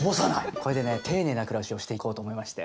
これでねていねいな暮らしをしていこうと思いまして。